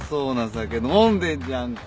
酒飲んでんじゃんか。